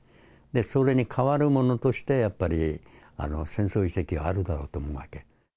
それに代わるものとして、やっぱり戦争遺跡があるだろうと思うわけ。